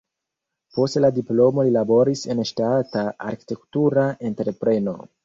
Post la diplomo li laboris en ŝtata arkitektura entrepreno.